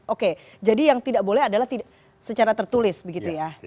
oke jadi yang tidak boleh adalah secara tertulis begitu ya